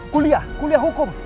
kuliah kuliah hukum